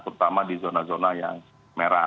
terutama di zona zona yang merah